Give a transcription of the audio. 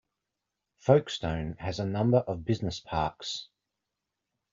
Folkestone has a number of Business Parks.